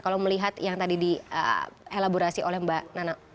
kalau melihat yang tadi di elaborasi oleh mbak nana